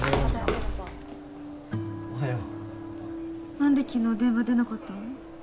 何で昨日電話出なかったの？